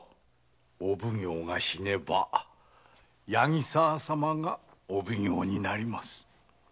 お奉行が死ねば八木沢様がお奉行になります。